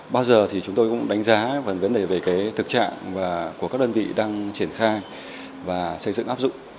bao giờ thì chúng tôi cũng đánh giá vấn đề về thực trạng của các đơn vị đang triển khai và xây dựng áp dụng